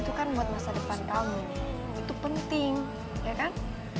itu kan buat masa depan kamu itu penting ya kan